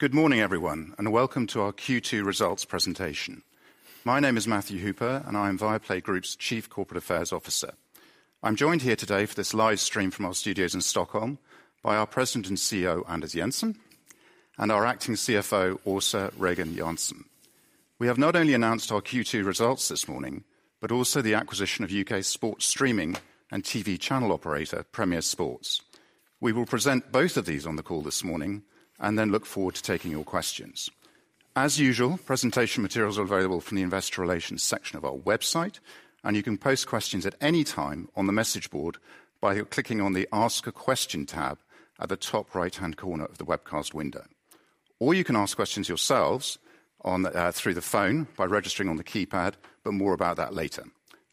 Good morning, everyone, and welcome to our Q2 Results Presentation. My name is Matthew Hooper, and I'm Viaplay Group's Chief Corporate Affairs Officer. I'm joined here today for this live stream from our studios in Stockholm by our President and CEO, Anders Jensen, and our acting CFO, Åsa Regen Jansson. We have not only announced our Q2 results this morning, but also the acquisition of U.K. sports streaming and TV channel operator, Premier Sports. We will present both of these on the call this morning and then look forward to taking your questions. As usual, presentation materials are available from the Investor Relations section of our website, and you can post questions at any time on the message board by clicking on the Ask a Question tab at the top right-hand corner of the webcast window. You can ask questions yourselves, on through the phone by registering on the keypad, but more about that later.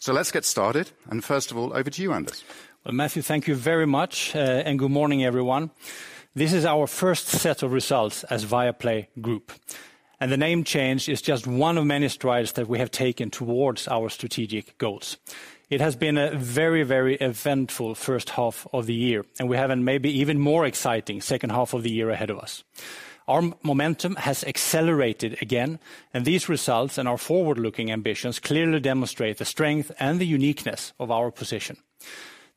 Let's get started. First of all, over to you, Anders. Well, Matthew, thank you very much, and good morning, everyone. This is our first set of results as Viaplay Group, and the name change is just one of many strides that we have taken towards our strategic goals. It has been a very, very eventful first half of the year, and we have a maybe even more exciting second half of the year ahead of us. Our momentum has accelerated again, and these results and our forward-looking ambitions clearly demonstrate the strength and the uniqueness of our position.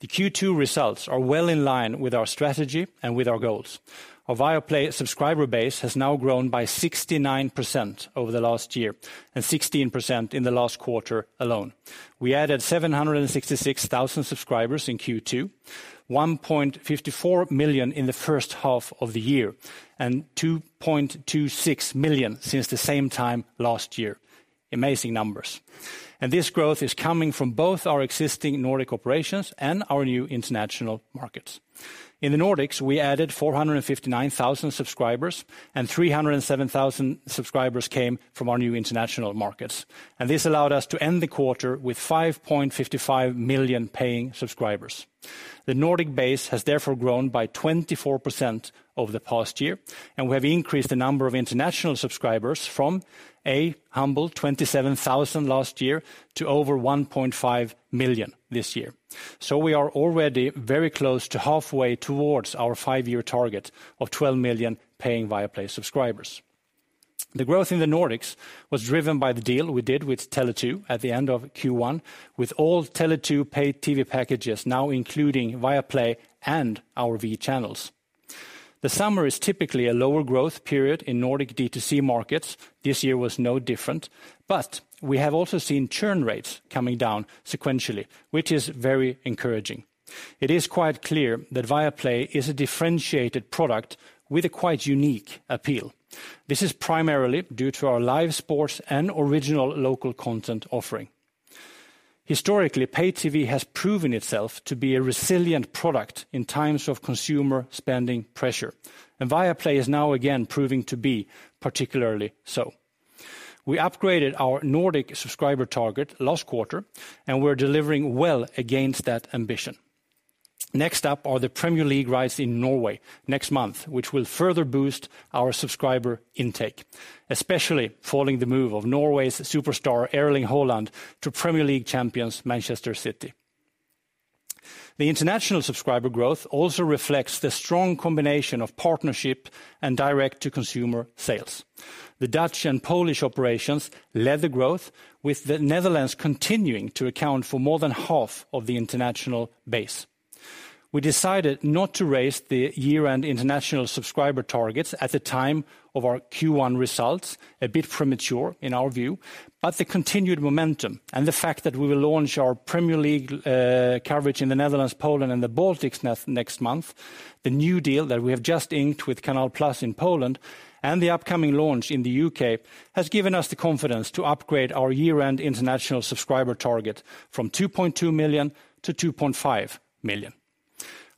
The Q2 results are well in line with our strategy and with our goals. Our Viaplay subscriber base has now grown by 69% over the last year and 16% in the last quarter alone. We added 766,000 subscribers in Q2, 1.54 million in the first half of the year, and 2.26 million since the same time last year. Amazing numbers. This growth is coming from both our existing Nordic operations and our new international markets. In the Nordics, we added 459,000 subscribers, and 307,000 subscribers came from our new international markets. This allowed us to end the quarter with 5.55 million paying subscribers. The Nordic base has therefore grown by 24% over the past year, and we have increased the number of international subscribers from a humble 27,000 last year to over 1.5 million this year. We are already very close to halfway towards our five-year target of 12 million paying Viaplay subscribers. The growth in the Nordics was driven by the deal we did with Tele2 at the end of Q1, with all Tele2 paid TV packages now including Viaplay and our V channels. The summer is typically a lower growth period in Nordic D2C markets. This year was no different. We have also seen churn rates coming down sequentially, which is very encouraging. It is quite clear that Viaplay is a differentiated product with a quite unique appeal. This is primarily due to our live sports and original local content offering. Historically, pay TV has proven itself to be a resilient product in times of consumer spending pressure, and Viaplay is now again proving to be particularly so. We upgraded our Nordic subscriber target last quarter, and we're delivering well against that ambition. Next up are the Premier League rights in Norway next month, which will further boost our subscriber intake, especially following the move of Norway's superstar, Erling Haaland, to Premier League champions Manchester City. The international subscriber growth also reflects the strong combination of partnership and direct-to-consumer sales. The Dutch and Polish operations led the growth, with the Netherlands continuing to account for more than half of the international base. We decided not to raise the year-end international subscriber targets at the time of our Q1 results, a bit premature in our view. But the continued momentum and the fact that we will launch our Premier League coverage in the Netherlands, Poland and the Baltics next month, the new deal that we have just inked with Canal+ in Poland, and the upcoming launch in the U.K. has given us the confidence to upgrade our year-end international subscriber target from 2.2 million to 2.5 million.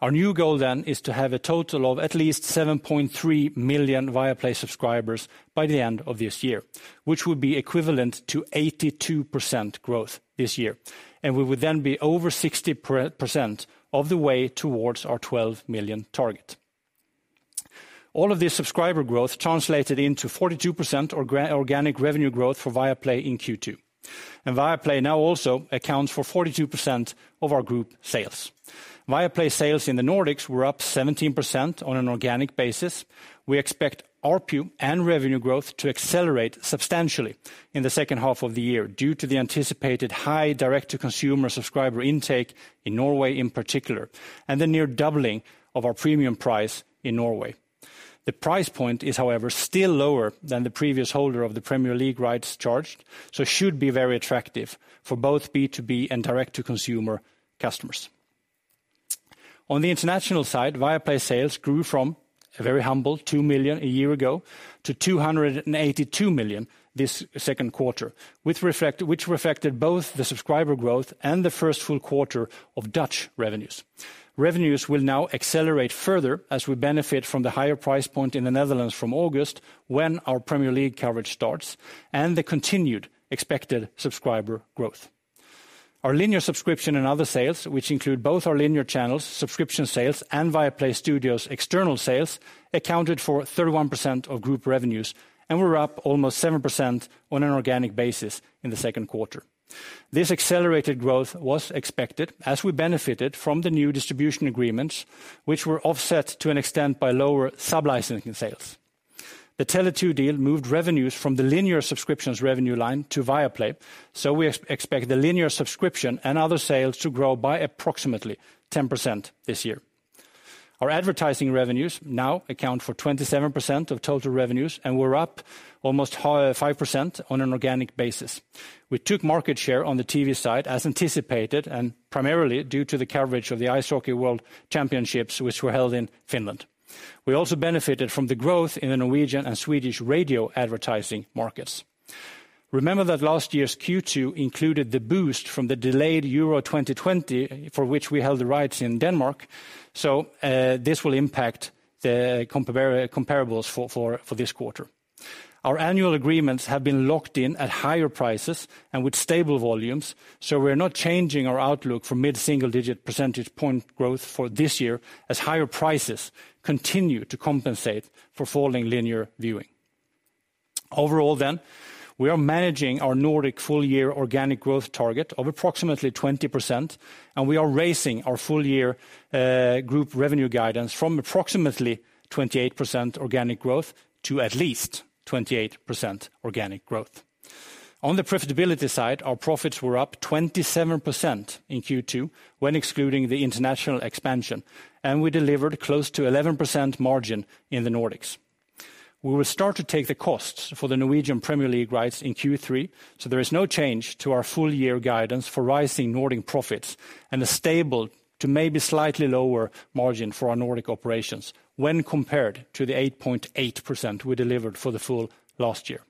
Our new goal then is to have a total of at least 7.3 million Viaplay subscribers by the end of this year, which would be equivalent to 82% growth this year, and we would then be over 60% of the way towards our 12 million target. All of this subscriber growth translated into 42% organic revenue growth for Viaplay in Q2. Viaplay now also accounts for 42% of our group sales. Viaplay sales in the Nordics were up 17% on an organic basis. We expect ARPU and revenue growth to accelerate substantially in the second half of the year due to the anticipated high direct-to-consumer subscriber intake in Norway in particular, and the near doubling of our premium price in Norway. The price point is, however, still lower than the previous holder of the Premier League rights charged, so should be very attractive for both B2B and direct-to-consumer customers. On the international side, Viaplay sales grew from a very humble 2 million a year ago to 282 million this second quarter, which reflected both the subscriber growth and the first full quarter of Dutch revenues. Revenues will now accelerate further as we benefit from the higher price point in the Netherlands from August, when our Premier League coverage starts, and the continued expected subscriber growth. Our linear subscription and other sales, which include both our linear channels, subscription sales, and Viaplay Studios external sales, accounted for 31% of group revenues and were up almost 7% on an organic basis in the second quarter. This accelerated growth was expected as we benefited from the new distribution agreements, which were offset to an extent by lower sublicensing sales. The Tele2 deal moved revenues from the linear subscriptions revenue line to Viaplay, so we expect the linear subscription and other sales to grow by approximately 10% this year. Our advertising revenues now account for 27% of total revenues, and we're up almost 5% on an organic basis. We took market share on the TV side, as anticipated, and primarily due to the coverage of the Ice Hockey World Championships, which were held in Finland. We also benefited from the growth in the Norwegian and Swedish radio advertising markets. Remember that last year's Q2 included the boost from the delayed Euro 2020, for which we held the rights in Denmark, so this will impact the comparables for this quarter. Our annual agreements have been locked in at higher prices and with stable volumes, so we're not changing our outlook for mid-single digit percentage point growth for this year, as higher prices continue to compensate for falling linear viewing. Overall, we are managing our Nordic full year organic growth target of approximately 20%, and we are raising our full year group revenue guidance from approximately 28% organic growth to at least 28% organic growth. On the profitability side, our profits were up 27% in Q2 when excluding the international expansion, and we delivered close to 11% margin in the Nordics. We will start to take the costs for the Norwegian Premier League rights in Q3, so there is no change to our full year guidance for rising Nordic profits and a stable to maybe slightly lower margin for our Nordic operations when compared to the 8.8% we delivered for the full last year.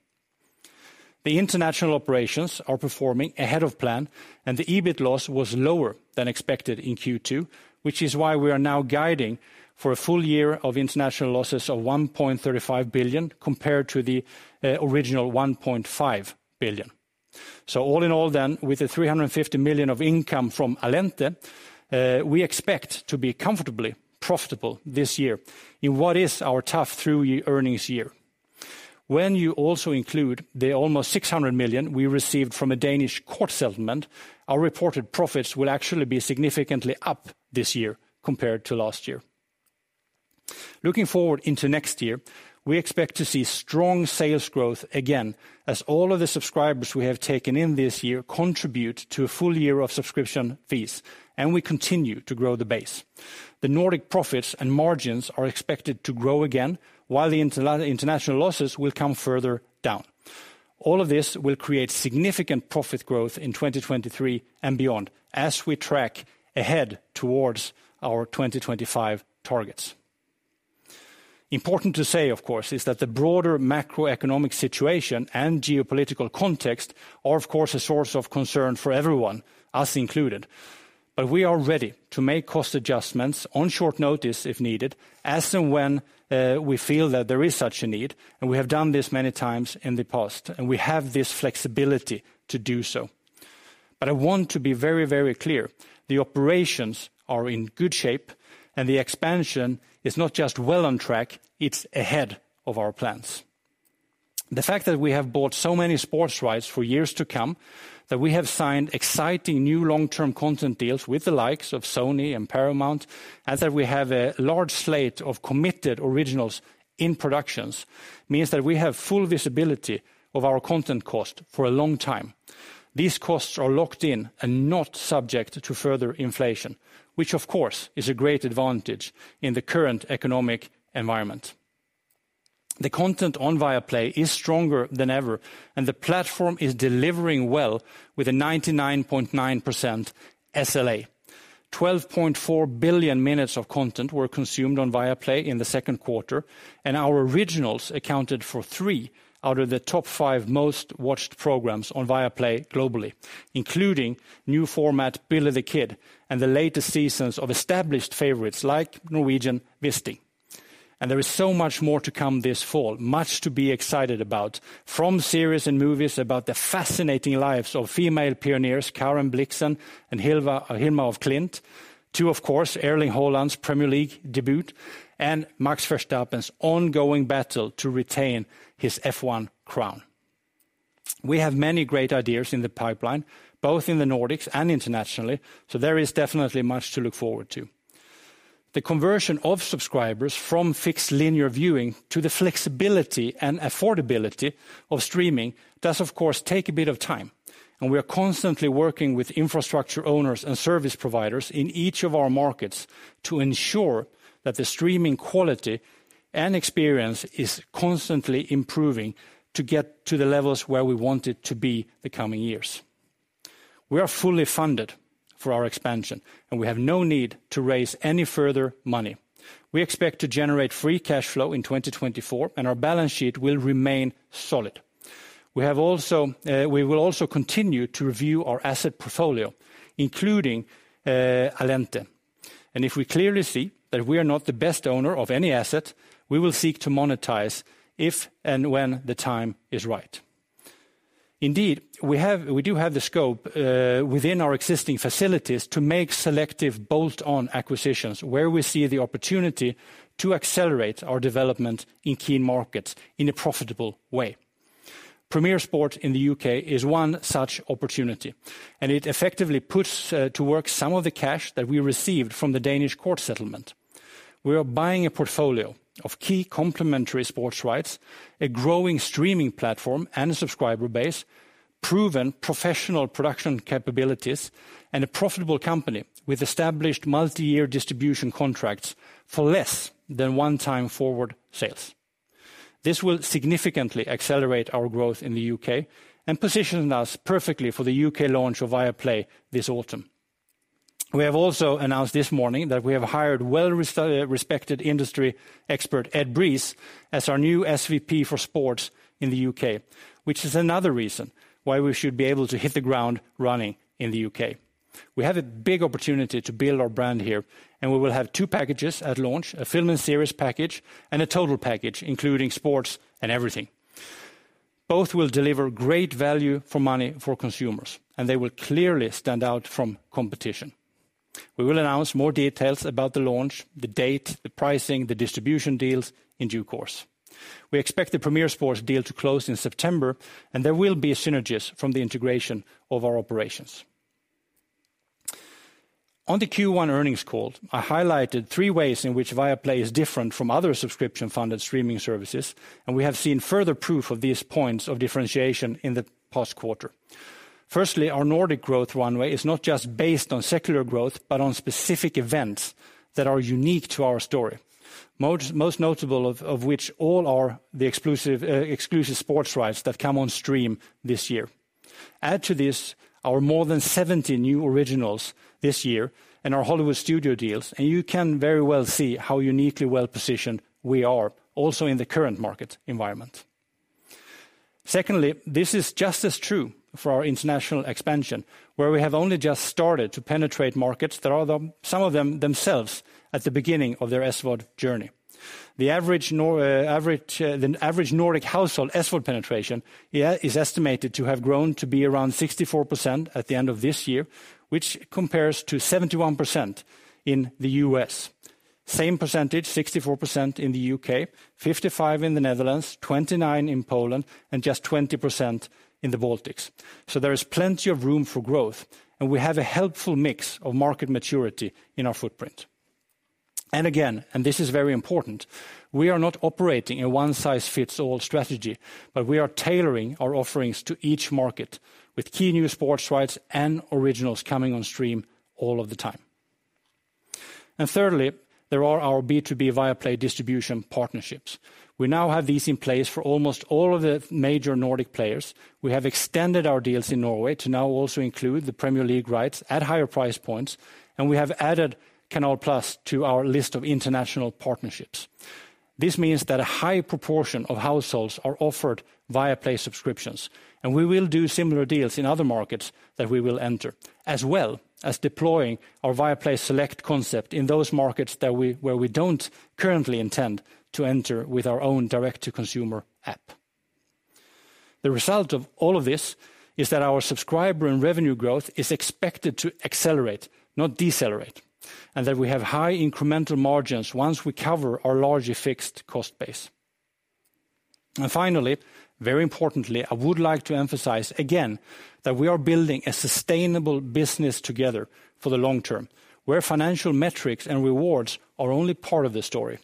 The international operations are performing ahead of plan, and the EBIT loss was lower than expected in Q2, which is why we are now guiding for a full year of international losses of 1.35 billion, compared to the original 1.5 billion. All in all then, with the 350 million of income from Allente, we expect to be comfortably profitable this year in what is our tough trough earnings year. When you also include the almost 600 million we received from a Danish court settlement, our reported profits will actually be significantly up this year compared to last year. Looking forward into next year, we expect to see strong sales growth again, as all of the subscribers we have taken in this year contribute to a full year of subscription fees, and we continue to grow the base. The Nordic profits and margins are expected to grow again, while the international losses will come further down. All of this will create significant profit growth in 2023 and beyond as we track ahead towards our 2025 targets. Important to say, of course, is that the broader macroeconomic situation and geopolitical context are, of course, a source of concern for everyone, us included. We are ready to make cost adjustments on short notice if needed, as and when we feel that there is such a need, and we have done this many times in the past, and we have this flexibility to do so. I want to be very, very clear, the operations are in good shape, and the expansion is not just well on track, it's ahead of our plans. The fact that we have bought so many sports rights for years to come, that we have signed exciting new long-term content deals with the likes of Sony and Paramount, and that we have a large slate of committed originals in productions, means that we have full visibility of our content cost for a long time. These costs are locked in and not subject to further inflation, which of course is a great advantage in the current economic environment. The content on Viaplay is stronger than ever, and the platform is delivering well with a 99.9% SLA. 12.4 billion minutes of content were consumed on Viaplay in the second quarter. Our originals accounted for three out of the top five most watched programs on Viaplay globally, including new format Billy the Kid and the latest seasons of established favorites like Norwegian Wisting. There is so much more to come this fall, much to be excited about, from series and movies about the fascinating lives of female pioneers Karen Blixen and Hilma af Klint to, of course, Erling Haaland's Premier League debut and Max Verstappen's ongoing battle to retain his F1 crown. We have many great ideas in the pipeline, both in the Nordics and internationally, so there is definitely much to look forward to. The conversion of subscribers from fixed linear viewing to the flexibility and affordability of streaming does of course take a bit of time, and we are constantly working with infrastructure owners and service providers in each of our markets to ensure that the streaming quality and experience is constantly improving to get to the levels where we want it to be the coming years. We are fully funded for our expansion, and we have no need to raise any further money. We expect to generate free cash flow in 2024, and our balance sheet will remain solid. We have also, we will also continue to review our asset portfolio, including Allente. If we clearly see that we are not the best owner of any asset, we will seek to monetize if and when the time is right. Indeed, we do have the scope within our existing facilities to make selective bolt-on acquisitions where we see the opportunity to accelerate our development in key markets in a profitable way. Premier Sports in the U.K. is one such opportunity, and it effectively puts to work some of the cash that we received from the Danish court settlement. We are buying a portfolio of key complementary sports rights, a growing streaming platform and a subscriber base, proven professional production capabilities, and a profitable company with established multi-year distribution contracts for less than one times forward sales. This will significantly accelerate our growth in the U.K. and position us perfectly for the U.K. launch of Viaplay this autumn. We have also announced this morning that we have hired well-respected industry expert, Ed Breeze, as our new SVP for Sports in the U.K., which is another reason why we should be able to hit the ground running in the U.K. We have a big opportunity to build our brand here, and we will have two packages at launch, a film and series package, and a total package, including sports and everything. Both will deliver great value for money for consumers, and they will clearly stand out from competition. We will announce more details about the launch, the date, the pricing, the distribution deals in due course. We expect the Premier Sports deal to close in September, and there will be synergies from the integration of our operations. On the Q1 earnings call, I highlighted three ways in which Viaplay is different from other subscription-funded streaming services, and we have seen further proof of these points of differentiation in the past quarter. Firstly, our Nordic growth runway is not just based on secular growth, but on specific events that are unique to our story. Most notable of which are the exclusive sports rights that come on stream this year. Add to this our more than 70 new originals this year and our Hollywood studio deals, and you can very well see how uniquely well-positioned we are also in the current market environment. Secondly, this is just as true for our international expansion, where we have only just started to penetrate markets that are some of them themselves at the beginning of their SVOD journey. The average Nordic household SVOD penetration is estimated to have grown to be around 64% at the end of this year, which compares to 71% in the U.S. Same percentage, 64% in the U.K., 55% in the Netherlands, 29% in Poland, and just 20% in the Baltics. There is plenty of room for growth, and we have a helpful mix of market maturity in our footprint. Again, this is very important, we are not operating a one-size-fits-all strategy, but we are tailoring our offerings to each market with key new sports rights and originals coming on stream all of the time. Thirdly, there are our B2B Viaplay distribution partnerships. We now have these in place for almost all of the major Nordic players. We have extended our deals in Norway to now also include the Premier League rights at higher price points, and we have added Canal+ to our list of international partnerships. This means that a high proportion of households are offered Viaplay subscriptions, and we will do similar deals in other markets that we will enter, as well as deploying our Viaplay Select concept in those markets where we don't currently intend to enter with our own direct-to-consumer app. The result of all of this is that our subscriber and revenue growth is expected to accelerate, not decelerate, and that we have high incremental margins once we cover our largely fixed cost base. Finally, very importantly, I would like to emphasize again that we are building a sustainable business together for the long term, where financial metrics and rewards are only part of the story.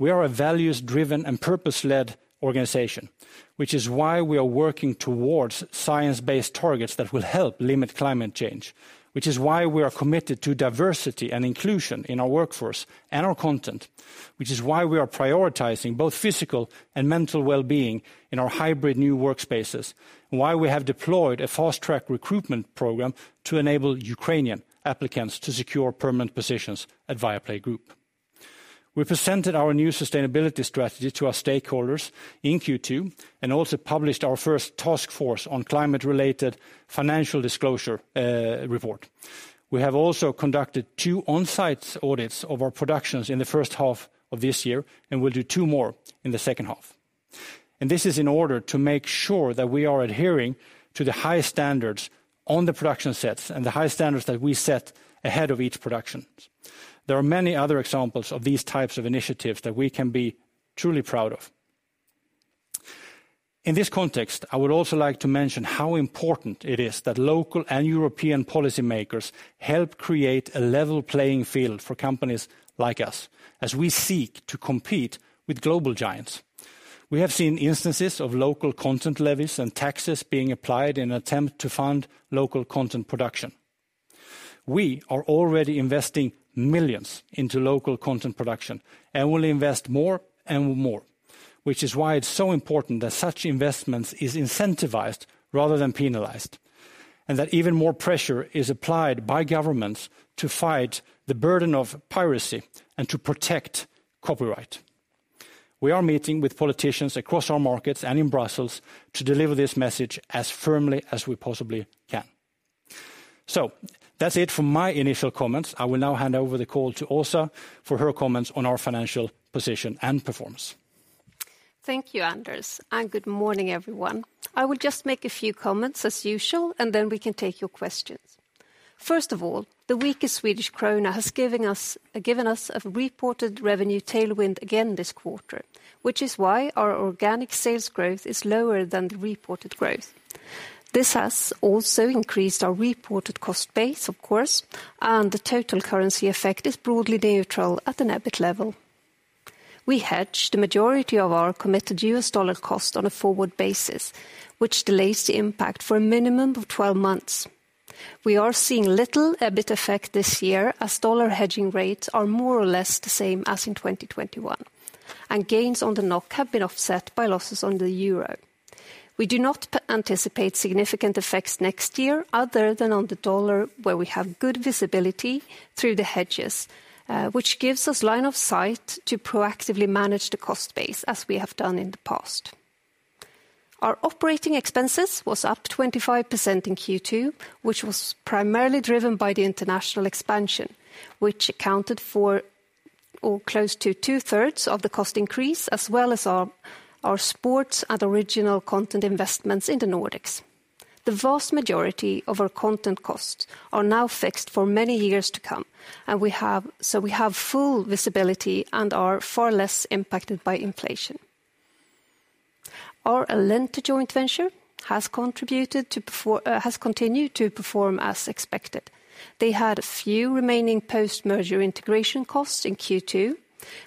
We are a values-driven and purpose-led organization, which is why we are working towards science-based targets that will help limit climate change. Which is why we are committed to diversity and inclusion in our workforce and our content. Which is why we are prioritizing both physical and mental well-being in our hybrid new workspaces, and why we have deployed a fast-track recruitment program to enable Ukrainian applicants to secure permanent positions at Viaplay Group. We presented our new sustainability strategy to our stakeholders in Q2 and also published our first Task Force on Climate-related Financial Disclosures report. We have also conducted two on-site audits of our productions in the first half of this year, and we'll do two more in the second half. This is in order to make sure that we are adhering to the high standards on the production sets and the high standards that we set ahead of each production. There are many other examples of these types of initiatives that we can be truly proud of. In this context, I would also like to mention how important it is that local and European policymakers help create a level playing field for companies like us as we seek to compete with global giants. We have seen instances of local content levies and taxes being applied in an attempt to fund local content production. We are already investing millions into local content production and will invest more and more, which is why it's so important that such investments is incentivized rather than penalized, and that even more pressure is applied by governments to fight the burden of piracy and to protect copyright. We are meeting with politicians across our markets and in Brussels to deliver this message as firmly as we possibly can. That's it for my initial comments. I will now hand over the call to Åsa for her comments on our financial position and performance. Thank you, Anders, and good morning, everyone. I will just make a few comments as usual, and then we can take your questions. First of all, the weakest Swedish krona has given us a reported revenue tailwind again this quarter, which is why our organic sales growth is lower than the reported growth. This has also increased our reported cost base, of course, and the total currency effect is broadly neutral at an EBIT level. We hedged the majority of our committed U.S. dollar cost on a forward basis, which delays the impact for a minimum of 12 months. We are seeing little EBIT effect this year as dollar hedging rates are more or less the same as in 2021, and gains on the NOK have been offset by losses on the euro. We do not anticipate significant effects next year other than on the dollar, where we have good visibility through the hedges, which gives us line of sight to proactively manage the cost base as we have done in the past. Our operating expenses was up 25% in Q2, which was primarily driven by the international expansion, which accounted for or close to 2/3 of the cost increase, as well as our sports and original content investments in the Nordics. The vast majority of our content costs are now fixed for many years to come, and so we have full visibility and are far less impacted by inflation. Our Allente joint venture has continued to perform as expected. They had a few remaining post-merger integration costs in Q2,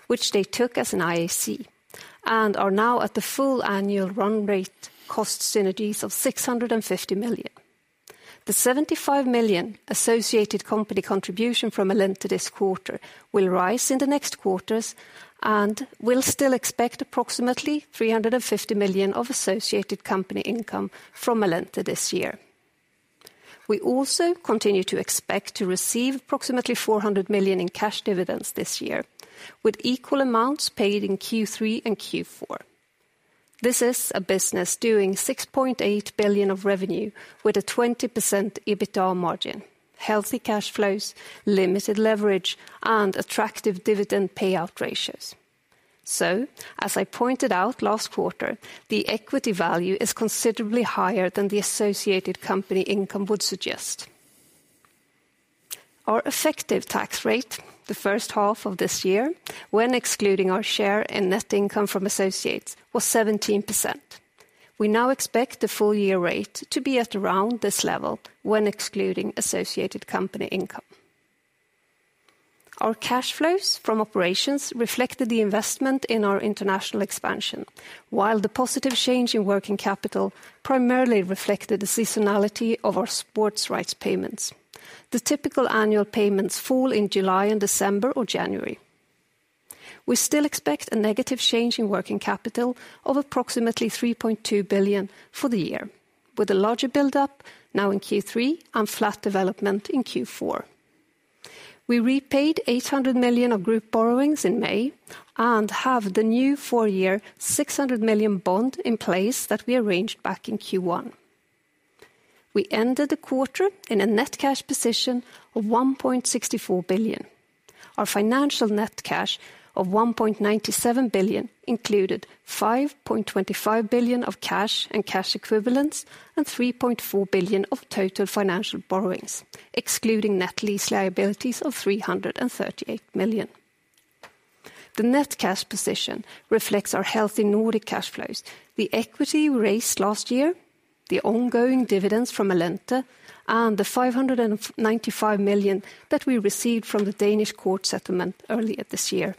which they took as an IAC, and are now at the full annual run rate cost synergies of 650 million. The 75 million associated company contribution from Allente this quarter will rise in the next quarters, and we'll still expect approximately 350 million of associated company income from Allente this year. We also continue to expect to receive approximately 400 million in cash dividends this year, with equal amounts paid in Q3 and Q4. This is a business doing 6.8 billion of revenue with a 20% EBITA margin, healthy cash flows, limited leverage, and attractive dividend payout ratios. As I pointed out last quarter, the equity value is considerably higher than the associated company income would suggest. Our effective tax rate the first half of this year, when excluding our share and net income from associates, was 17%. We now expect the full year rate to be at around this level when excluding associated company income. Our cash flows from operations reflected the investment in our international expansion, while the positive change in working capital primarily reflected the seasonality of our sports rights payments. The typical annual payments fall in July and December or January. We still expect a negative change in working capital of approximately 3.2 billion for the year, with a larger buildup now in Q3 and flat development in Q4. We repaid 800 million of group borrowings in May and have the new four-year 600 million bond in place that we arranged back in Q1. We ended the quarter in a net cash position of 1.64 billion. Our financial net cash of 1.97 billion included 5.25 billion of cash and cash equivalents and 3.4 billion of total financial borrowings, excluding net lease liabilities of 338 million. The net cash position reflects our healthy Nordic cash flows, the equity we raised last year, the ongoing dividends from Allente, and the 595 million that we received from the Danish court settlement earlier this year.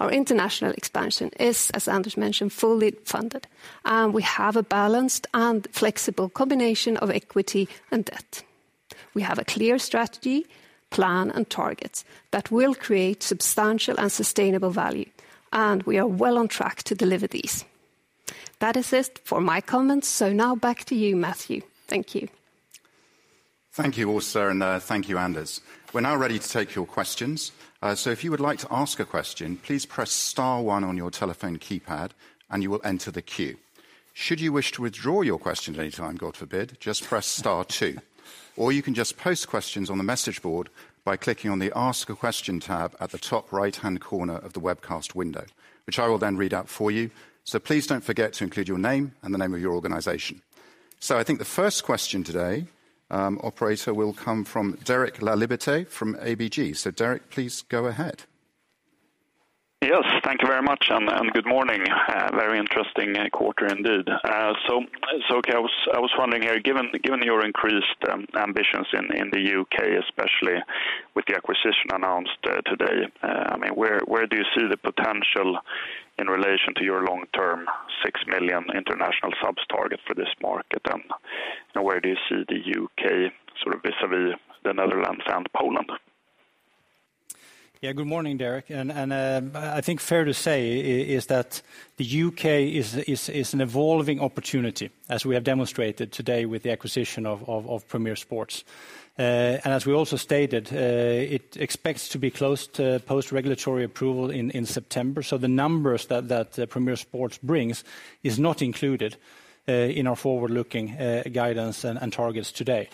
Our international expansion is, as Anders mentioned, fully funded, and we have a balanced and flexible combination of equity and debt. We have a clear strategy, plan, and targets that will create substantial and sustainable value, and we are well on track to deliver these. That is it for my comments, so now back to you, Matthew. Thank you. Thank you, Åsa, and thank you, Anders. We're now ready to take your questions. If you would like to ask a question, please press star, one on your telephone keypad, and you will enter the queue. Should you wish to withdraw your question at any time, God forbid, just press star, two. You can just post questions on the message board by clicking on the Ask a Question tab at the top right-hand corner of the webcast window, which I will then read out for you. Please don't forget to include your name and the name of your organization. I think the first question today, operator, will come from Derek Laliberté from ABG. Derek, please go ahead. Yes, thank you very much and good morning. Very interesting quarter indeed. Okay. I was wondering here, given your increased ambitions in the U.K., especially with the acquisition announced today, I mean, where do you see the potential in relation to your long-term six million international subs target for this market? Where do you see the U.K. vis-à-vis the Netherlands and Poland? Yeah. Good morning, Derek. I think fair to say is that the U.K. is an evolving opportunity as we have demonstrated today with the acquisition of Premier Sports. As we also stated, it expects to be close to post regulatory approval in September. The numbers that Premier Sports brings is not included in our forward-looking guidance and targets today.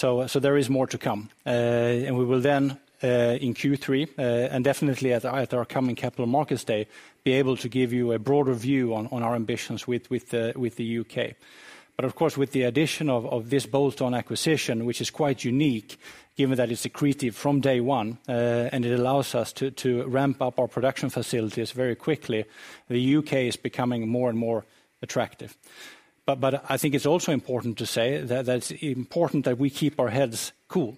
There is more to come. We will then in Q3 and definitely at our coming capital markets day be able to give you a broader view on our ambitions with the U.K.. Of course, with the addition of this bolt-on acquisition which is quite unique given that it's accretive from day one, and it allows us to ramp up our production facilities very quickly, the U.K. is becoming more and more attractive. I think it's also important to say that it's important that we keep our heads cool.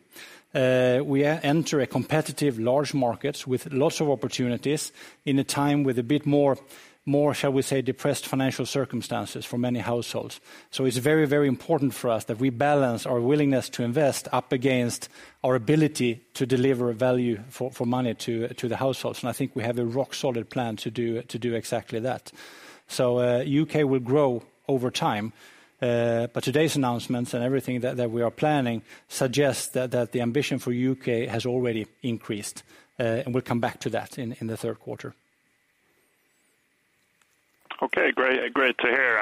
We enter a competitive large market with lots of opportunities in a time with a bit more, shall we say, depressed financial circumstances for many households. It's very important for us that we balance our willingness to invest up against our ability to deliver value for money to the households. I think we have a rock solid plan to do exactly that. U.K. will grow over time. Today's announcements and everything that we are planning suggests that the ambition for U.K. has already increased. We'll come back to that in the third quarter. Okay. Great to hear.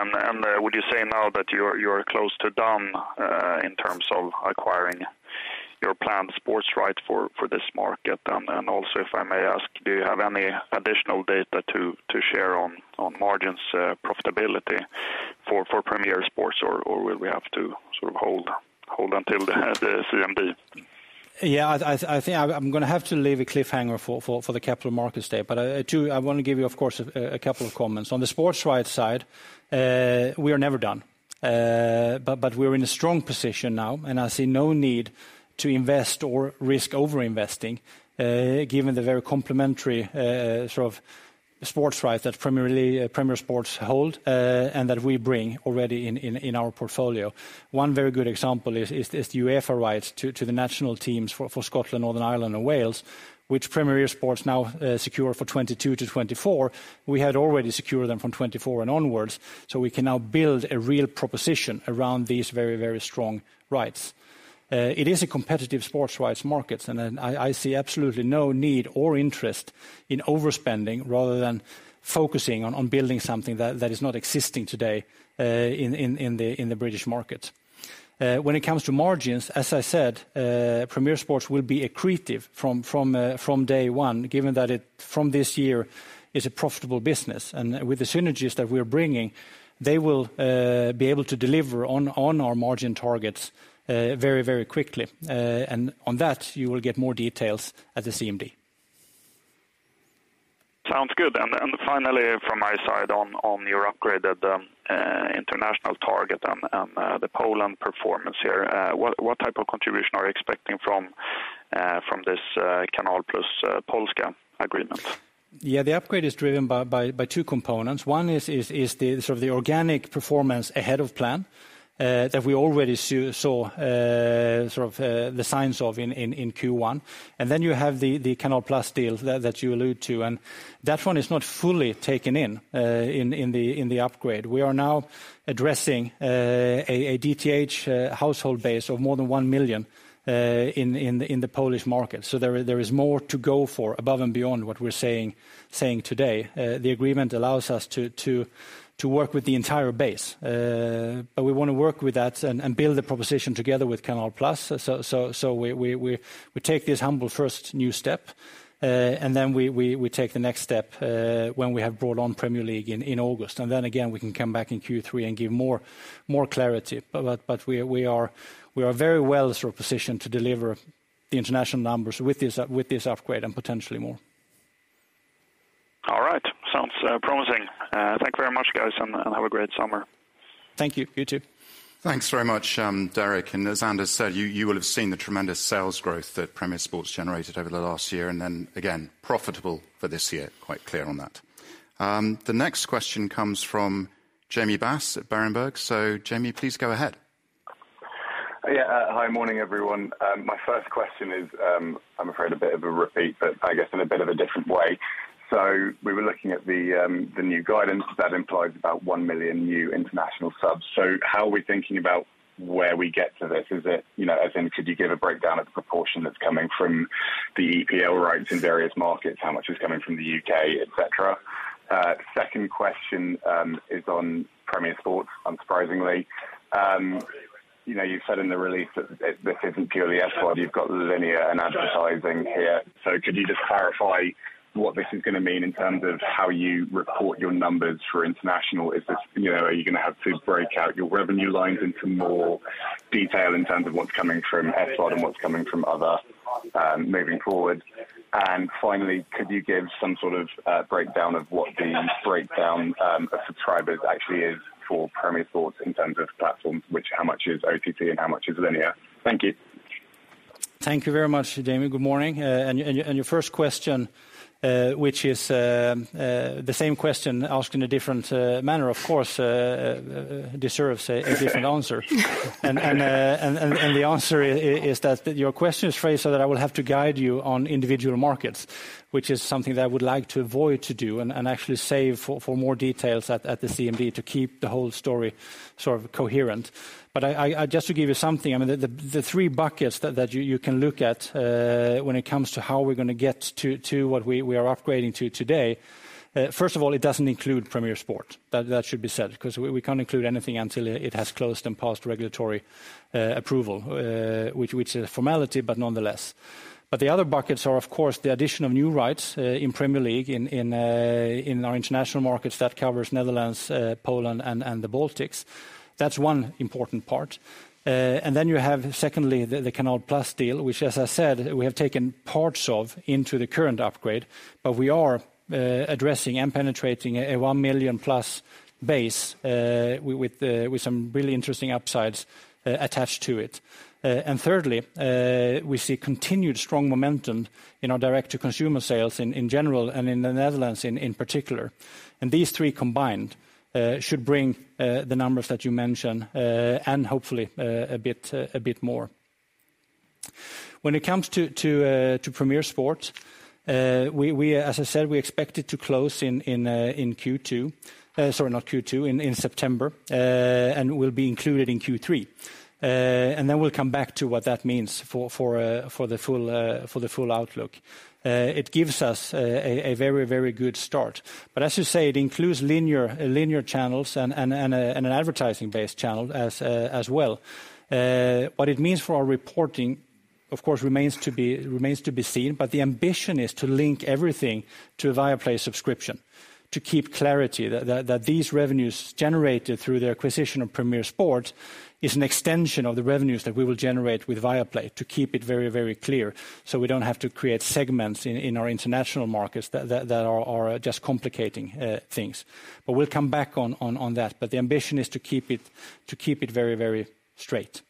Would you say now that you're close to done in terms of acquiring your planned sports rights for this market? Also, if I may ask, do you have any additional data to share on margins, profitability for Premier Sports, or will we have to sort of hold until the CMD? Yeah. I think I'm gonna have to leave a cliffhanger for the Capital Markets Day. I wanna give you, of course, a couple of comments. On the sports rights side, we are never done. We're in a strong position now, and I see no need to invest or risk over-investing, given the very complementary sort of sports rights that Premier Sports hold, and that we bring already in our portfolio. One very good example is the UEFA rights to the national teams for Scotland, Northern Ireland, and Wales, which Premier Sports now secure for 2022-2024. We had already secured them from 2024 and onwards, so we can now build a real proposition around these very strong rights. It is a competitive sports rights market, and then I see absolutely no need or interest in overspending rather than focusing on building something that is not existing today in the British market. When it comes to margins, as I said, Premier Sports will be accretive from day one, given that it from this year is a profitable business. With the synergies that we're bringing, they will be able to deliver on our margin targets very, very quickly. On that, you will get more details at the CMD. Sounds good. Finally, from my side on your upgraded international target and the Poland performance here. What type of contribution are you expecting from this Canal+ Polska agreement? Yeah, the upgrade is driven by two components. One is the sort of organic performance ahead of plan that we already saw sort of the signs of in Q1. You have the Canal+ deal that you allude to, and that one is not fully taken in the upgrade. We are now addressing a DTH household base of more than one million in the Polish market. There is more to go for above and beyond what we're saying today. The agreement allows us to work with the entire base. We wanna work with that and build a proposition together with Canal+. We take this humble first new step, and then we take the next step when we have brought on Premier League in August. Then again, we can come back in Q3 and give more clarity. We are very well sort of positioned to deliver the international numbers with this upgrade and potentially more. All right. Sounds promising. Thank you very much, guys, and have a great summer. Thank you. You too. Thanks very much, Derek. As Anders said, you will have seen the tremendous sales growth that Premier Sports generated over the last year, and then again, profitable for this year. Quite clear on that. The next question comes from Jamie Bass at Berenberg. Jamie, please go ahead. Hi. Morning, everyone. My first question is, I'm afraid a bit of a repeat, but I guess in a bit of a different way. We were looking at the new guidance that implies about one million new international subs. How are we thinking about where we get to this? Is it, as in, could you give a breakdown of the proportion that's coming from the EPL rights in various markets? How much is coming from the U.K., et cetera? Second question is on Premier Sports, unsurprisingly. You've said in the release that this isn't purely F1, you've got linear and advertising here. Could you just clarify what this is gonna mean in terms of how you report your numbers for international? Is this, are you gonna have to break out your revenue lines into more detail in terms of what's coming from F1 and what's coming from other, moving forward? Finally, could you give some sort of breakdown of subscribers actually is for Premier Sports in terms of platforms? Which how much is OTT and how much is linear? Thank you. Thank you very much, Jamie. Good morning. Your first question, which is the same question asked in a different manner, of course, deserves a different answer. The answer is that your question is phrased so that I will have to guide you on individual markets, which is something that I would like to avoid to do and actually save for more details at the CMD to keep the whole story sort of coherent. Just to give you something, I mean, the three buckets that you can look at when it comes to how we're gonna get to what we are upgrading to today. First of all, it doesn't include Premier Sports. That should be said, 'cause we can't include anything until it has closed and passed regulatory approval. Which is a formality, but nonetheless. The other buckets are, of course, the addition of new rights in Premier League in our international markets that covers Netherlands, Poland and the Baltics. That's one important part. Then you have, secondly, the Canal+ deal, which as I said, we have taken parts of into the current upgrade, but we are addressing and penetrating a one million-plus base with some really interesting upsides attached to it. Thirdly, we see continued strong momentum in our direct-to-consumer sales in general, and in the Netherlands in particular. These three combined, should bring the numbers that you mentioned and hopefully a bit more. When it comes to Premier Sports, as I said expect it to close in September and will be included in Q3. And then we'll come back to what that means for the full outlook. It gives us a very good start. But as you say, it includes linear channels and an advertising-based channel as well. What it means for our reporting, of course, remains to be seen, but the ambition is to link everything to a Viaplay subscription to keep clarity that these revenues generated through the acquisition of Premier Sports is an extension of the revenues that we will generate with Viaplay to keep it very, very clear, so we don't have to create segments in our international markets that are just complicating things. We'll come back on that. The ambition is to keep it very, very straight.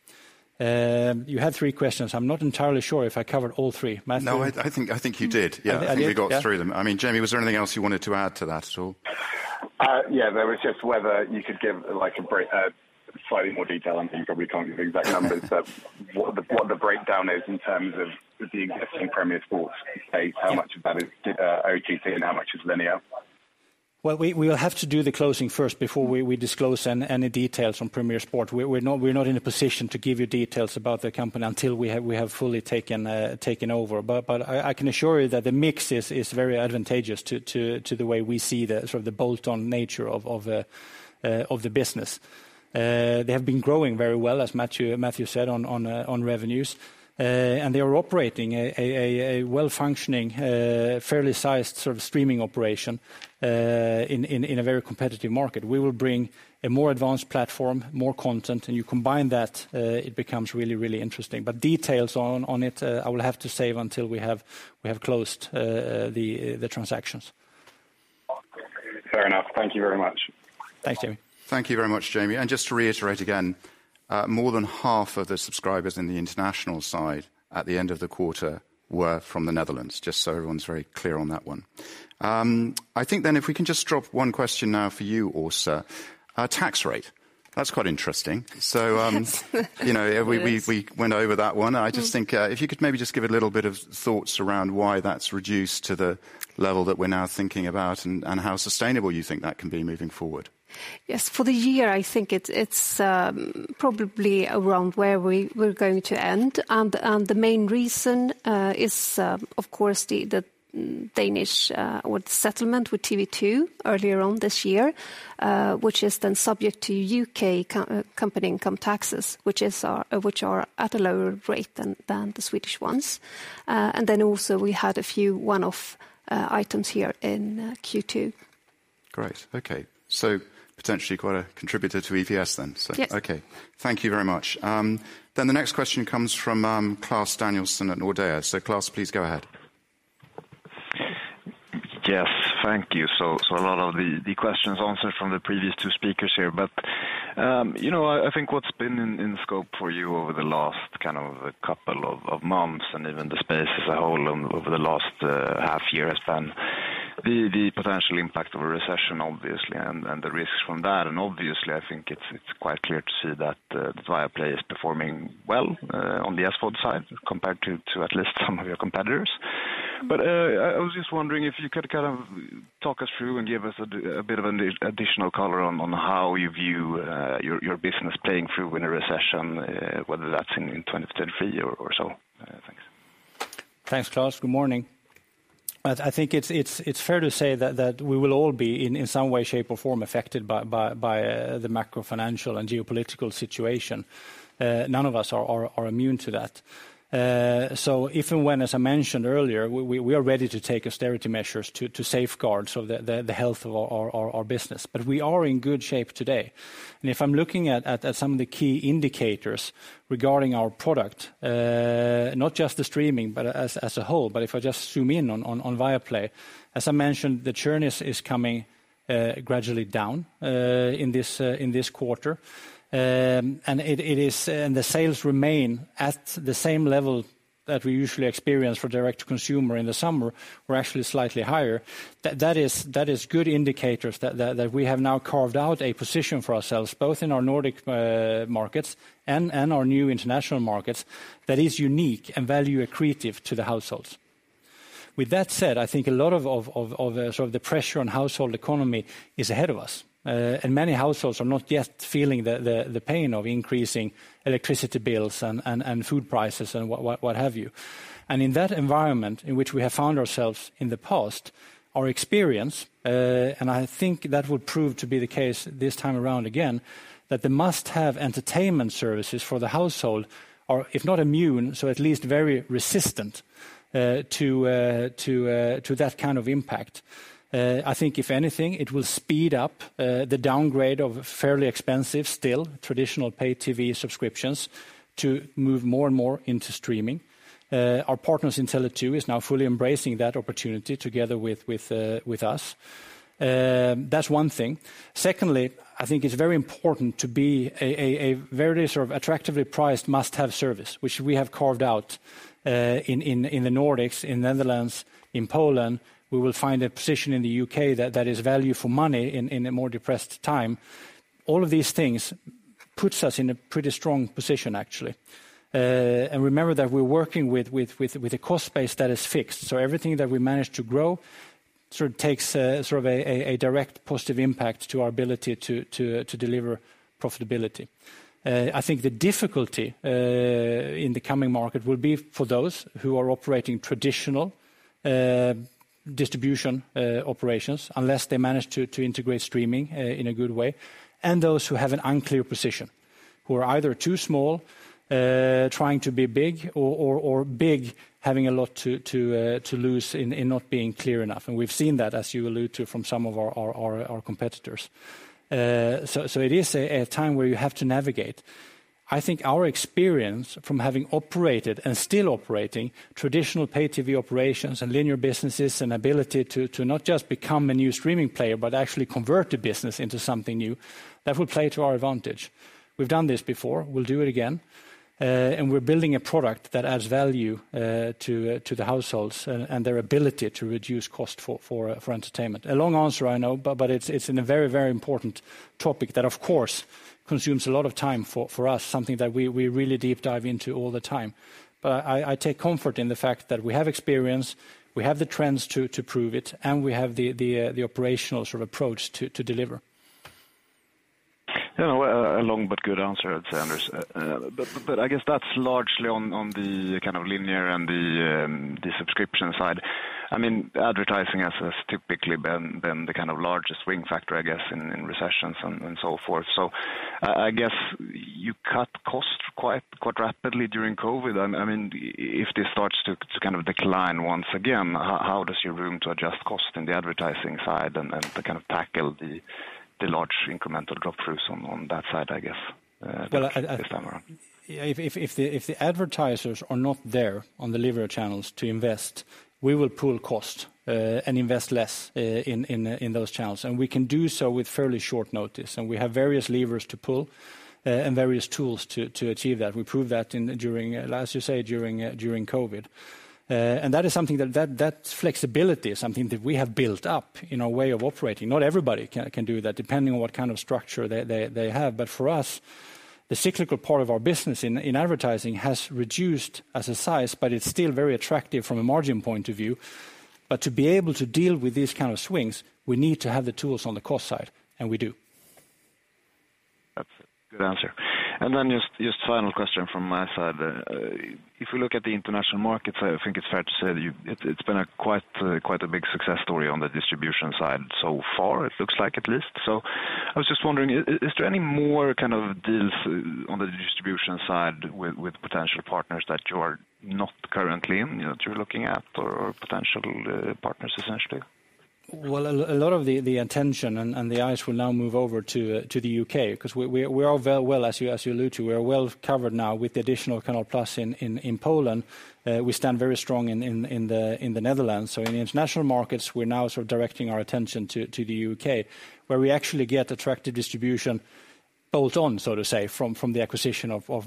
You had three questions. I'm not entirely sure if I covered all three. Matthew? No, I think you did. Yeah. And if. I think you got through them. I mean, Jamie, was there anything else you wanted to add to that at all? Yeah, there was just whether you could give, like, a slightly more detailed. I think you probably can't give exact numbers. What the breakdown is in terms of the existing Premier Sports base, how much of that is OTT and how much is linear? Well, we will have to do the closing first before we disclose any details on Premier Sports. We're not in a position to give you details about the company until we have fully taken over. I can assure you that the mix is very advantageous to the way we see the sort of the bolt-on nature of the business. They have been growing very well, as Matthew said, on revenues. They are operating a well-functioning, fairly sized streaming operation in a very competitive market. We will bring a more advanced platform, more content, and you combine that, it becomes really interesting. Details on it, I will have to save until we have closed the transactions. Fair enough. Thank you very much. Thanks, Jamie. Thank you very much, Jamie. Just to reiterate again, more than half of the subscribers in the international side at the end of the quarter were from the Netherlands, just so everyone's very clear on that one. I think then if we can just drop one question now for you, Åsa. Tax rate. That's quite interesting. It is. You know, we went over that one. I just think, if you could maybe just give a little bit of thoughts around why that's reduced to the level that we're now thinking about and how sustainable you think that can be moving forward? Yes. For the year, I think it's probably around where we're going to end. The main reason is of course the Danish settlement with TV 2, earlier on this year, which is then subject to U.K. company income taxes, which are at a lower rate than the Swedish ones. Also we had a few one-off items here in Q2. Great. Okay. Potentially quite a contributor to EPS then, so. Yes. Okay. Thank you very much. The next question comes from Klas Danielsson at Nordea. Klas, please go ahead. Yes. Thank you. A lot of the questions answered from the previous two speakers here. I think what's been in scope for you over the last kind of couple of months and even the space as a whole over the last half year has been the potential impact of a recession, obviously, and the risks from that. Obviously, I think it's quite clear to see that Viaplay is performing well on the SVOD side compared to at least some of your competitors. But I was just wondering, if you could kind of talk us through and give us a bit of an additional color on how you view your business playing through in a recession, whether that's in 2023 or so. Thanks. Thanks, Klas. Good morning. I think it's fair to say that we will all be in some way, shape, or form affected by the macro financial and geopolitical situation. None of us are immune to that. So if, and when, as I mentioned earlier, we are ready to take austerity measures to safeguard the health of our business. But we are in good shape today. If I'm looking at some of the key indicators regarding our product, not just the streaming, but as a whole, but if I just zoom in on Viaplay, as I mentioned, the churn is coming gradually down in this quarter. The sales remain at the same level that we usually experience for direct-to-consumer in the summer. We're actually slightly higher. That is good indicators that we have now carved out a position for ourselves, both in our Nordic markets and our new international markets that is unique and value accretive to the households. With that said, I think a lot of the pressure on household economy is ahead of us. Many households are not yet feeling the pain of increasing electricity bills and food prices and what have you. In that environment in which we have found ourselves in the past, our experience, and I think that will prove to be the case this time around again, that the must-have entertainment services for the household are, if not immune, so at least very resistant to that kind of impact. I think if anything, it will speed up the downgrade of fairly expensive, still, traditional paid TV subscriptions to move more and more into streaming. Our partners in Tele2 is now fully embracing that opportunity together with us. That's one thing. Secondly, I think it's very important to be a very sort of attractively priced must-have service, which we have carved out in the Nordics, in Netherlands, in Poland. We will find a position in the U.K. that is value for money in a more depressed time. All of these things puts us in a pretty strong position, actually. Remember that we're working with a cost base that is fixed. Everything that we manage to grow sort of takes sort of a direct positive impact to our ability to deliver profitability. I think the difficulty in the coming market will be for those who are operating traditional distribution operations, unless they manage to integrate streaming in a good way, and those who have an unclear position, who are either too small, trying to be big or big having a lot to lose in not being clear enough. We've seen that, as you allude to, from some of our competitors. It is a time where you have to navigate. I think our experience from having operated and still operating traditional pay-TV operations and linear businesses and ability to not just become a new streaming player, but actually convert the business into something new, that will play to our advantage. We've done this before, we'll do it again. We're building a product that adds value to the households and their ability to reduce cost for entertainment. A long answer, I know, but it's in a very important topic that, of course, consumes a lot of time for us, something that we really deep dive into all the time. I take comfort in the fact that we have experience, we have the trends to prove it, and we have the operational approach to deliver. You know, a long but good answer, I'd say, Anders. I guess that's largely on the kind of linear and the subscription side. I mean, advertising has typically been the kind of largest swing factor, I guess, in recessions and so forth. I guess you cut costs quite rapidly during COVID. I mean, if this starts to kind of decline once again, how does your room to adjust cost in the advertising side and to kind of tackle the large incremental drop throughs on that side, I guess, this time around? If the advertisers are not there on the delivery channels to invest, we will pull cost and invest less in those channels. We can do so with fairly short notice. We have various levers to pull and various tools to achieve that. We proved that, as you say, during COVID. That flexibility is something that we have built up in our way of operating. Not everybody can do that, depending on what kind of structure they have. For us, the cyclical part of our business in advertising has reduced in size, but it's still very attractive from a margin point of view. To be able to deal with these kind of swings, we need to have the tools on the cost side, and we do. That's a good answer. Just final question from my side. If you look at the international markets, I think it's fair to say that it's been quite a big success story on the distribution side so far, it looks like at least. I was just wondering, is there any more kind of deals on the distribution side with potential partners that you are not currently in, that you're looking at or potential partners essentially? Well, a lot of the attention and the eyes will now move over to the U.K. because we are very well, as you allude to, we are well covered now with the additional Canal+ in Poland. We stand very strong in the Netherlands. In the international markets, we're now sort of directing our attention to the U.K., where we actually get attractive distribution built on, so to say, from the acquisition of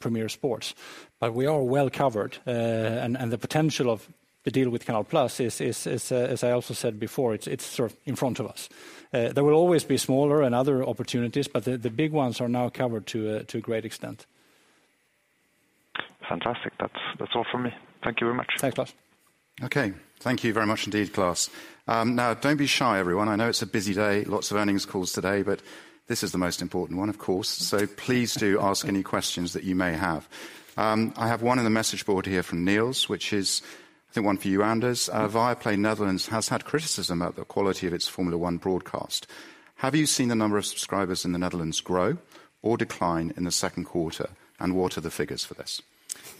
Premier Sports. We are well covered. The potential of the deal with Canal+ is, as I also said before, it's sort of in front of us. There will always be smaller and other opportunities, but the big ones are now covered to a great extent. Fantastic. That's all for me. Thank you very much. Thanks, Klas. Okay. Thank you very much indeed, Klas. Now don't be shy, everyone. I know it's a busy day, lots of earnings calls today, but this is the most important one, of course. Please do ask any questions that you may have. I have one in the message board here from Nils, which is, I think, one for you, Anders. Viaplay Netherlands has had criticism about the quality of its Formula 1 broadcast. Have you seen the number of subscribers in the Netherlands grow or decline in the second quarter? And what are the figures for this?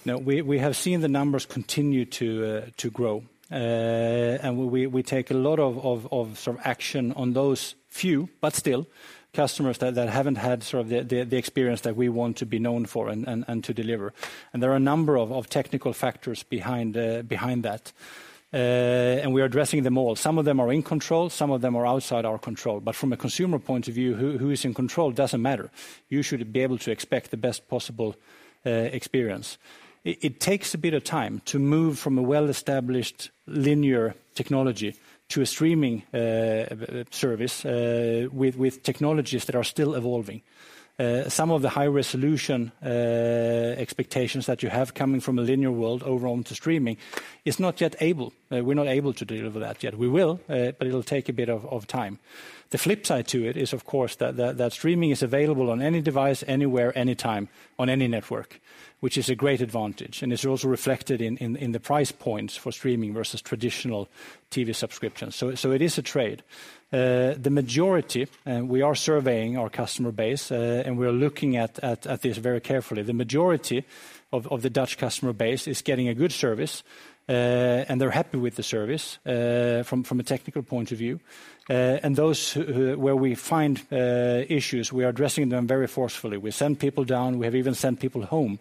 No. We have seen the numbers continue to grow. We take a lot of sort of action on those few, but still customers that haven't had sort of the experience that we want to be known for and to deliver. There are a number of technical factors behind that. We are addressing them all. Some of them are in control, some of them are outside our control. From a consumer point of view, who is in control doesn't matter. You should be able to expect the best possible experience. It takes a bit of time to move from a well-established linear technology to a streaming service with technologies that are still evolving. Some of the high resolution expectations that you have coming from a linear world over on to streaming is not yet able. We're not able to deliver that yet. We will, but it'll take a bit of time. The flip side to it is, of course, that streaming is available on any device, anywhere, anytime, on any network, which is a great advantage, and it's also reflected in the price points for streaming versus traditional TV subscriptions. It is a trade. The majority—we are surveying our customer base, and we are looking at this very carefully—The majority of the Dutch customer base is getting a good service, and they're happy with the service, from a technical point of view. Those who Where we find issues, we are addressing them very forcefully. We send people down. We have even sent people home